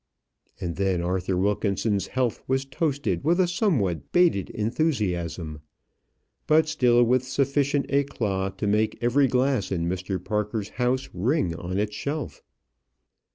And then Arthur Wilkinson's health was toasted with a somewhat bated enthusiasm, but still with sufficient éclat to make every glass in Mr. Parker's house ring on its shelf.